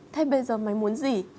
thế bây giờ mày muốn gì